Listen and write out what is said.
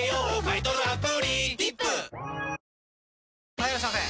・はいいらっしゃいませ！